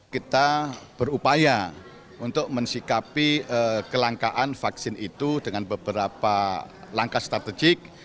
kita berupaya untuk mensikapi kelangkaan vaksin itu dengan beberapa langkah strategik